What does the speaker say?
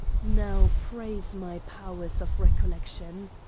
Now praise my Powers of Recollec tion.